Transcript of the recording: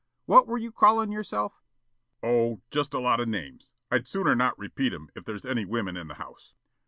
What were you calling yourself?" "Oh, just a lot of names. I'd sooner not repeat 'em if there's any women in the house."